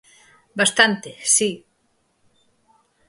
Bastante, si.